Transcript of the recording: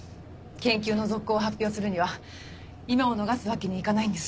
研究の続行を発表するには今を逃すわけにいかないんです。